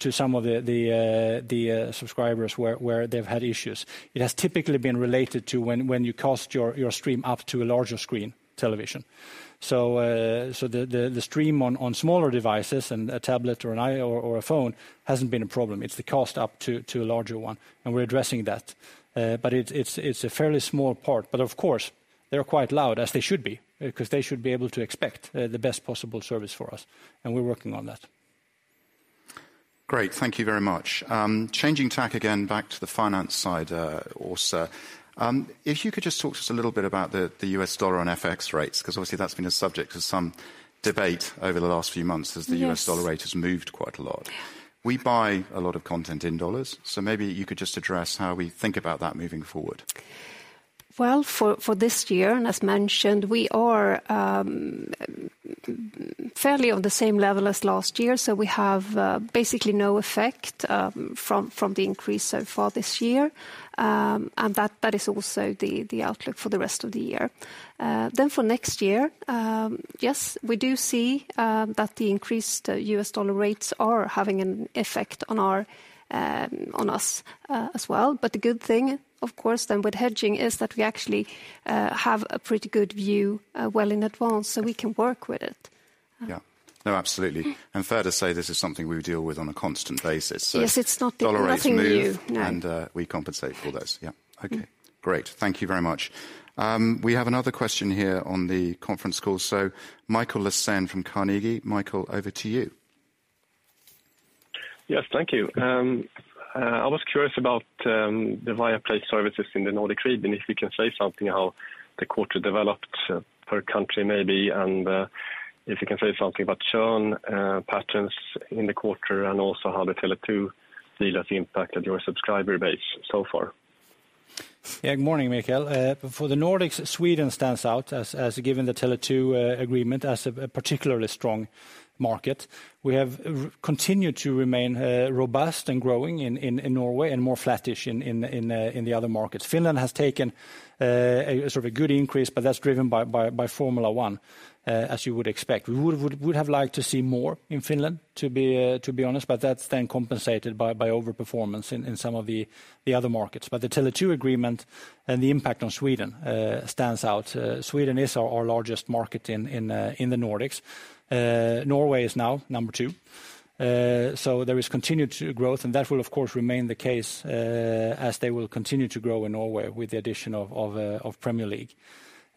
to some of the subscribers where they've had issues. It has typically been related to when you cast your stream up to a larger screen television. The stream on smaller devices and a tablet or a phone hasn't been a problem. It's the cast up to a larger one, and we're addressing that. It's a fairly small part. Of course, they're quite loud, as they should be, 'cause they should be able to expect the best possible service for us, and we're working on that. Great. Thank you very much. Changing tack again back to the finance side, Åsa. If you could just talk to us a little bit about the U.S. dollar on FX rates, 'cause obviously that's been a subject of some debate over the last few months as the U.S. dollar rate has moved quite a lot. We buy a lot of content in dollars, so maybe you could just address how we think about that moving forward. For this year, as mentioned, we are fairly on the same level as last year, so we have basically no effect from the increase so far this year. That is also the outlook for the rest of the year. For next year, yes, we do see that the increased U.S. dollar rates are having an effect on us as well. The good thing, of course, with hedging is that we actually have a pretty good view well in advance, so we can work with it. Yeah. No, absolutely. Fair to say, this is something we deal with on a constant basis. Yes, it's nothing new. Dollar rates move. We compensate for those. Yeah. Okay. Great. Thank you very much. We have another question here on the conference call, so Mikael Laséen from Carnegie. Mikael, over to you. Yes. Thank you. I was curious about the Viaplay services in the Nordic Region, if you can say something how the quarter developed per country maybe, and if you can say something about churn patterns in the quarter and also how the Tele2 deal has impacted your subscriber base so far. Yeah. Good morning, Mikael. For the Nordics, Sweden stands out, as given the Tele2 agreement, as a particularly strong market. We continue to remain robust and growing in Norway and more flattish in the other markets. Finland has taken a sort of good increase, but that's driven by Formula 1 as you would expect. We would have liked to see more in Finland, to be honest, but that's then compensated by overperformance in some of the other markets. The Tele2 agreement and the impact on Sweden stands out. Sweden is our largest market in the Nordics. Norway is now number two. There is continued growth, and that will of course remain the case, as they will continue to grow in Norway with the addition of Premier League.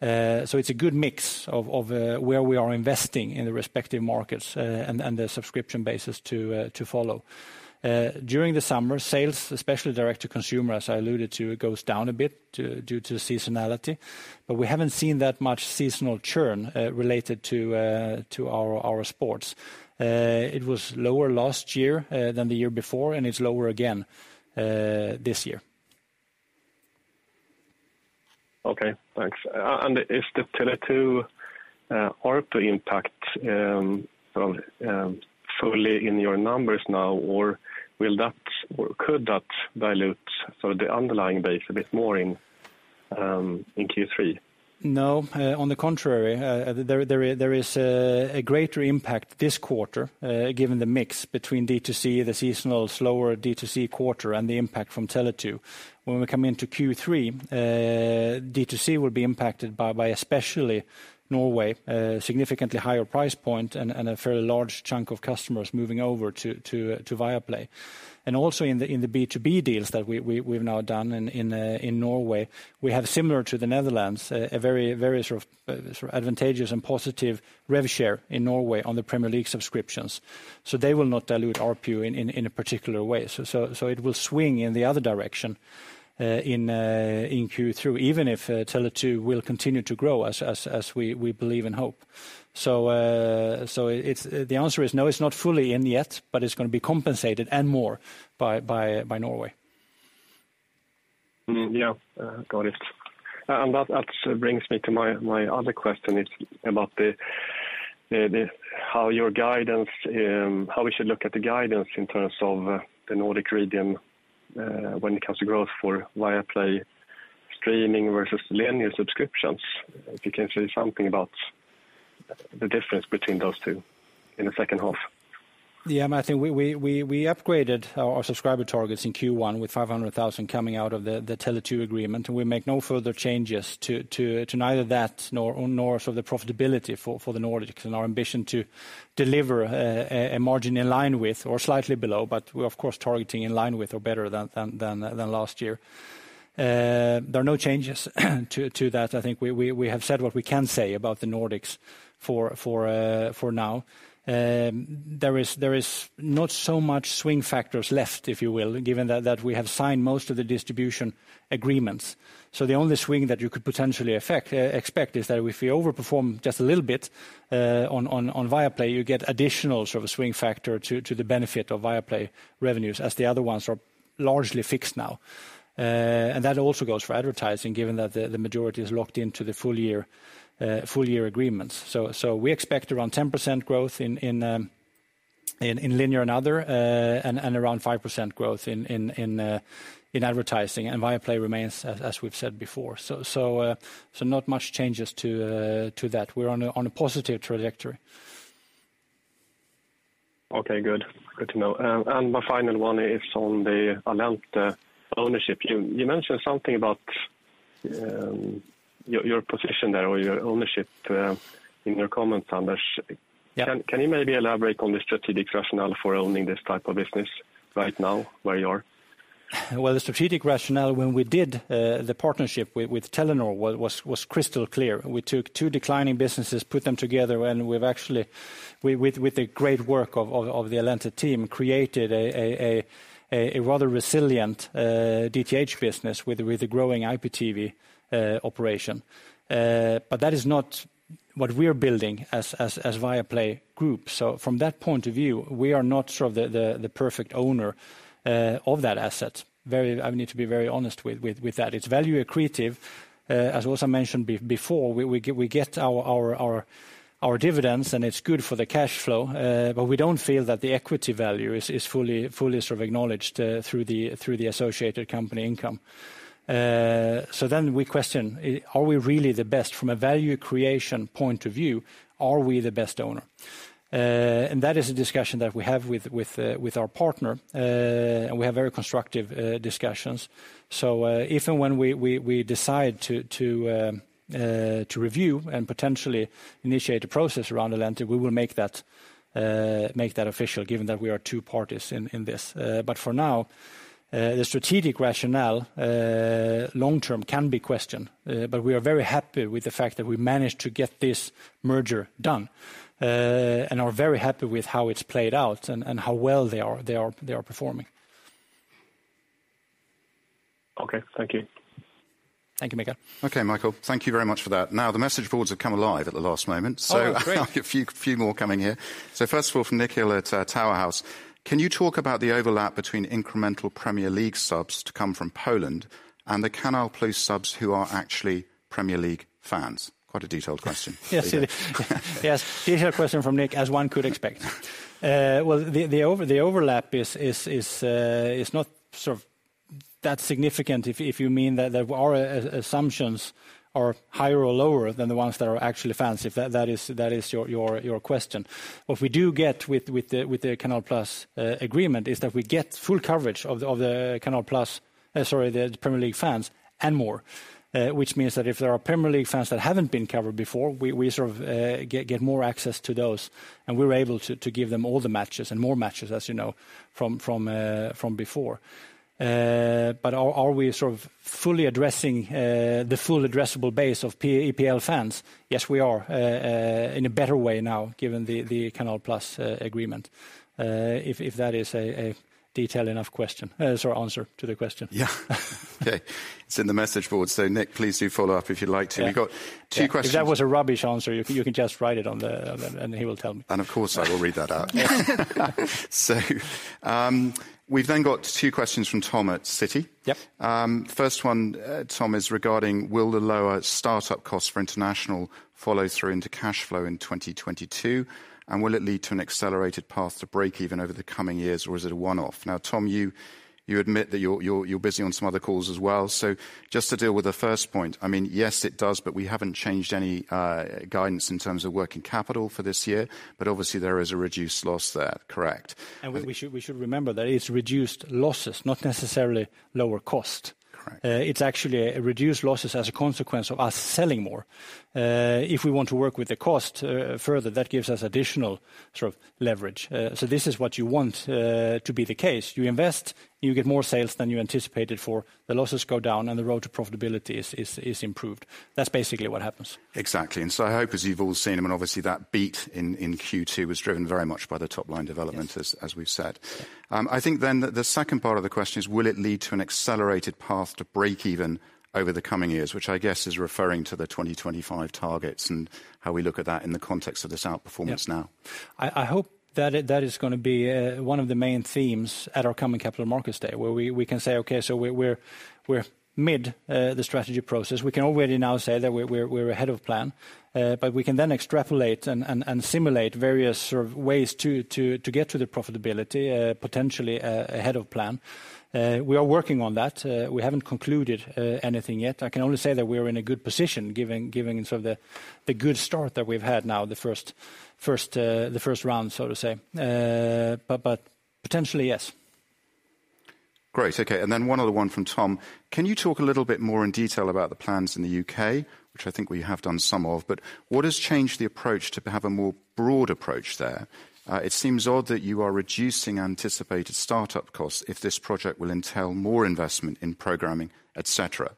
It's a good mix of where we are investing in the respective markets, and the subscription bases to follow. During the summer, sales, especially direct to consumer, as I alluded to, it goes down a bit due to seasonality, but we haven't seen that much seasonal churn related to our sports. It was lower last year than the year before, and it's lower again this year. Okay. Thanks. Is the Tele2 ARPU impact, fully in your numbers now, or will that or could that dilute the underlying base a bit more in Q3? No. On the contrary, there is a greater impact this quarter, given the mix between D2C, the seasonal slower D2C quarter, and the impact from Tele2. When we come into Q3, D2C will be impacted by especially Norway, a significantly higher price point and a fairly large chunk of customers moving over to Viaplay. Also in the B2B deals that we've now done in Norway, we have similar to the Netherlands, a very sort of advantageous and positive rev share in Norway on the Premier League subscriptions. They will not dilute ARPU in a particular way. It will swing in the other direction in Q3, even if Tele2 will continue to grow as we believe and hope. The answer is no, it's not fully in yet, but it's gonna be compensated and more by Norway. Got it. That brings me to my other question. It's about how we should look at the guidance in terms of the Nordic region when it comes to growth for Viaplay streaming versus linear subscriptions. If you can say something about the difference between those two in the second half. Yeah. I think we upgraded our subscriber targets in Q1 with 500,000 coming out of the Tele2 agreement. We make no further changes to neither that nor the profitability for the Nordics and our ambition to deliver a margin in line with or slightly below, but we're of course targeting in line with or better than last year. There are no changes to that. I think we have said what we can say about the Nordics for now. There is not so much swing factors left, if you will, given that we have signed most of the distribution agreements. The only swing that you could potentially expect is that if we overperform just a little bit on Viaplay, you get additional sort of a swing factor to the benefit of Viaplay revenues as the other ones are largely fixed now. That also goes for advertising, given that the majority is locked into the full year agreements. We expect around 10% growth in linear and other, and around 5% growth in advertising and Viaplay remains as we've said before. Not much changes to that. We're on a positive trajectory. Okay. Good. Good to know. My final one is on the Allente ownership. You mentioned something about your position there or your ownership in your comments, Anders. Can you maybe elaborate on the strategic rationale for owning this type of business right now where you are? Well, the strategic rationale when we did the partnership with Telenor was crystal clear. We took two declining businesses, put them together, and we've actually, with the great work of the Allente team, created a rather resilient DTH business with the growing IPTV operation. That is not what we're building as Viaplay Group. From that point of view, we are not the perfect owner of that asset. I need to be very honest with that. It's value accretive, as also mentioned before. We get our dividends and it's good for the cash flow, but we don't feel that the equity value is fully sort of acknowledged through the associated company income. We question, are we really the best from a value creation point of view, are we the best owner? That is a discussion that we have with our partner. We have very constructive discussions. If and when we decide to review and potentially initiate the process around Allente, we will make that official given that we are two parties in this. For now, the strategic rationale long term can be questioned, but we are very happy with the fact that we managed to get this merger done, and are very happy with how it's played out and how well they are performing. Okay. Thank you. Thank you, Mikael. Okay, Mikael, thank you very much for that. Now, the message boards have come alive at the last moment. Oh, great. I'll get a few more coming here. First of all, from Nikola at TowerHouse, can you talk about the overlap between incremental Premier League subs to come from Poland and the Canal+ subs who are actually Premier League fans? Quite a detailed question. Yes, it is. Yes. Detailed question from Nick, as one could expect. The overlap is not that significant if you mean that our assumptions are higher or lower than the actual fans, if that is your question. What we do get with the Canal+ agreement is that we get full coverage of the Canal+, sorry, the Premier League fans and more, which means that if there are Premier League fans that haven't been covered before, we sort of get more access to those and we're able to give them all the matches and more matches as you know from before. Are we sort of fully addressing the full addressable base of EPL fans? Yes, we are in a better way now given the Canal+ agreement. If that is a detailed enough answer to the question. Yeah. Okay. It's in the message board. Nick, please do follow up if you'd like to. Yeah. We've got two questions. If that was a rubbish answer, you can just write it on the, and he will tell me. Of course, I will read that out. Yeah. We've then got two questions from Tom at Citi. Yep. First one, Tom, is regarding will the lower startup costs for international follow through into cash flow in 2022? Will it lead to an accelerated path to break even over the coming years, or is it a one-off? Now, Tom, you admit that you're busy on some other calls as well. Just to deal with the first point, I mean, yes, it does, but we haven't changed any guidance in terms of working capital for this year. Obviously, there is a reduced loss there, correct. We should remember that it's reduced losses, not necessarily lower cost. Correct. It's actually reduced losses as a consequence of us selling more. If we want to work with the cost further, that gives us additional sort of leverage. This is what you want to be the case. You invest, you get more sales than you anticipated for. The losses go down, and the road to profitability is improved. That's basically what happens. Exactly. I hope as you've all seen, I mean, obviously that beat in Q2 was driven very much by the top line development as we've said. I think the second part of the question is, will it lead to an accelerated path to break even over the coming years, which I guess is referring to the 2025 targets and how we look at that in the context of this outperformance now. I hope that is gonna be one of the main themes at our coming Capital Markets Day, where we can say, "Okay, so we're mid the strategy process." We can already now say that we're ahead of plan. We can then extrapolate and simulate various sort of ways to get to the profitability, potentially ahead of plan. We are working on that. We haven't concluded anything yet. I can only say that we're in a good position given the good start that we've had now the first round, so to say. Potentially, yes. Great. Okay. Then one other one from Tom. Can you talk a little bit more in detail about the plans in the U.K.? Which I think we have done some of, but what has changed the approach to have a more broad approach there? It seems odd that you are reducing anticipated startup costs if this project will entail more investment in programming, et cetera.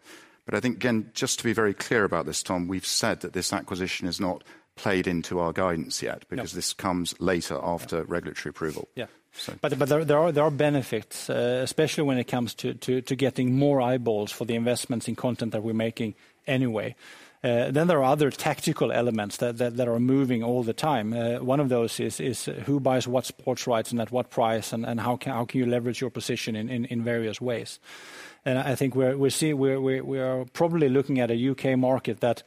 I think, again, just to be very clear about this, Tom, we've said that this acquisition has not played into our guidance yet. Yeah because this comes later after regulatory approval. Yeah. So. There are benefits, especially when it comes to getting more eyeballs for the investments in content that we're making anyway. There are other tactical elements that are moving all the time. One of those is who buys what sports rights and at what price and how can you leverage your position in various ways. I think we are probably looking at a U.K. market that,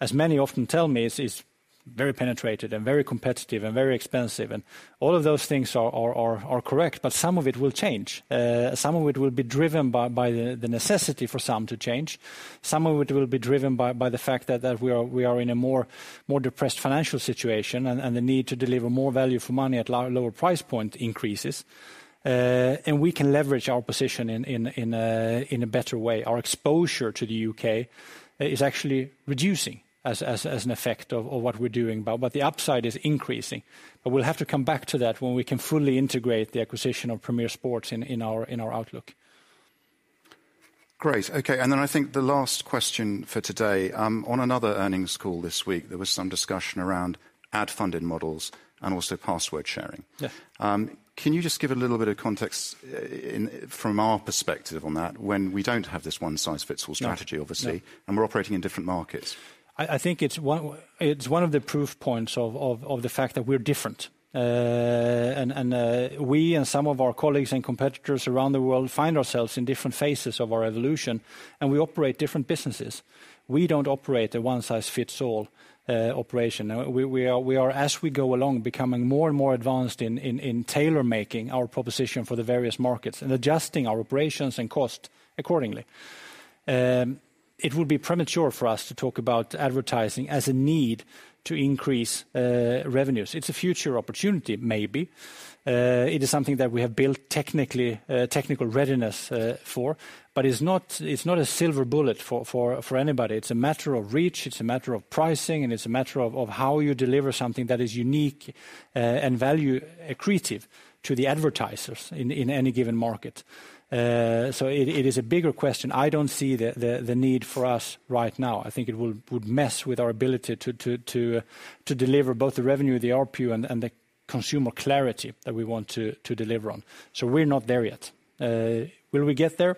as many often tell me, is very penetrated and very competitive and very expensive. All of those things are correct, but some of it will change. Some of it will be driven by the necessity for some to change. Some of it will be driven by the fact that we are in a more depressed financial situation and the need to deliver more value for money at lower price point increases. We can leverage our position in a better way. Our exposure to the U.K. is actually reducing as an effect of what we're doing, but the upside is increasing. We'll have to come back to that when we can fully integrate the acquisition of Premier Sports in our outlook. Great. Okay. I think the last question for today, on another earnings call this week, there was some discussion around ad-funded models and also password sharing. Yeah. Can you just give a little bit of context from our perspective on that when we don't have this one-size-fits-all strategy, obviously. No We're operating in different markets. I think it's one of the proof points of the fact that we're different. We and some of our colleagues and competitors around the world find ourselves in different phases of our evolution, and we operate different businesses. We don't operate a one-size-fits-all operation. We are, as we go along, becoming more and more advanced in tailor-making our proposition for the various markets and adjusting our operations and cost accordingly. It will be premature for us to talk about advertising as a need to increase revenues. It's a future opportunity maybe. It is something that we have built technically, technical readiness for, but it's not a silver bullet for anybody. It's a matter of reach, it's a matter of pricing, and it's a matter of how you deliver something that is unique and value accretive to the advertisers in any given market. It is a bigger question. I don't see the need for us right now. I think it would mess with our ability to deliver both the revenue, the ARPU, and the consumer clarity that we want to deliver on. We're not there yet. Will we get there?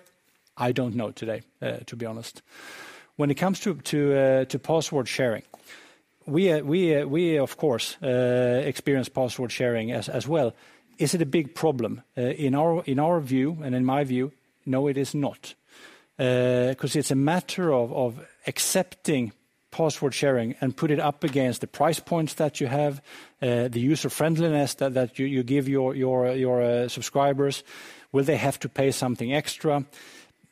I don't know today, to be honest. When it comes to password sharing, we of course, experience password sharing as well. Is it a big problem? In our view, and in my view, no, it is not. Because it's a matter of accepting password sharing and put it up against the price points that you have, the user friendliness that you give your subscribers. Will they have to pay something extra?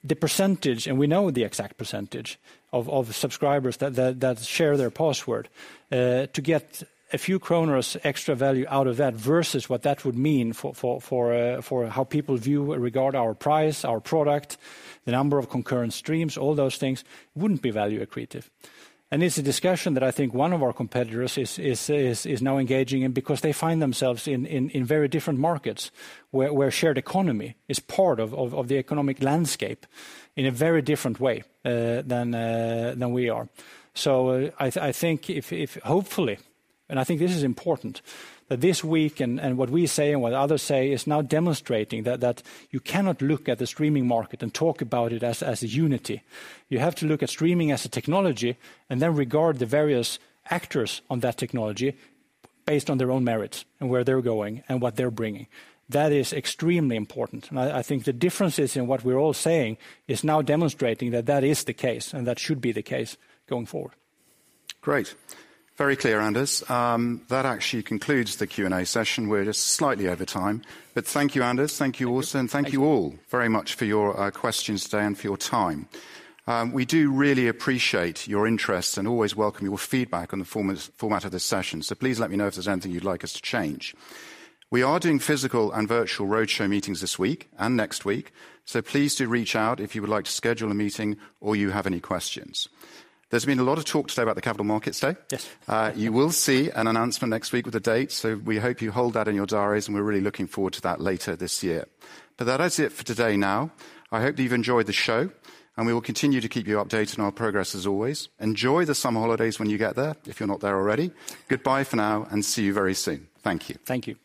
The percentage, and we know the exact percentage of subscribers that share their password to get a few kronors extra value out of that versus what that would mean for how people view regard our price, our product, the number of concurrent streams, all those things wouldn't be value accretive. It's a discussion that I think one of our competitors is now engaging in because they find themselves in very different markets where shared economy is part of the economic landscape in a very different way than we are. I think if hopefully, and I think this is important, that this week and what we say and what others say is now demonstrating that you cannot look at the streaming market and talk about it as a unity. You have to look at streaming as a technology and then regard the various actors on that technology based on their own merits and where they're going and what they're bringing. That is extremely important. I think the differences in what we're all saying is now demonstrating that that is the case and that should be the case going forward. Great. Very clear, Anders. That actually concludes the Q&A session. We're just slightly over time. Thank you, Anders. Thank you, Åsa, and thank you all very much for your questions today and for your time. We do really appreciate your interest and always welcome your feedback on the format of this session. Please let me know if there's anything you'd like us to change. We are doing physical and virtual roadshow meetings this week and next week, so please do reach out if you would like to schedule a meeting or you have any questions. There's been a lot of talk today about the Capital Markets Day. Yes. You will see an announcement next week with the date, so we hope you hold that in your diaries, and we're really looking forward to that later this year. That is it for today now. I hope that you've enjoyed the show, and we will continue to keep you updated on our progress as always. Enjoy the summer holidays when you get there, if you're not there already. Goodbye for now and see you very soon. Thank you. Thank you.